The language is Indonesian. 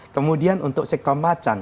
kemudian untuk sekelamatan